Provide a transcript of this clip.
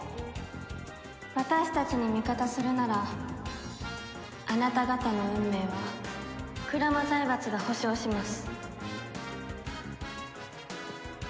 私たちに味方するならあなた方の運命は鞍馬財閥が保障します。